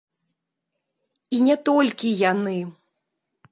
І не толькі яны!